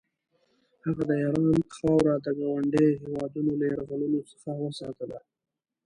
هغه د ایران خاوره د ګاونډیو هېوادونو له یرغلونو څخه وساتله.